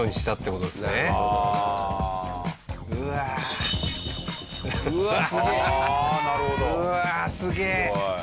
うわあすげえ！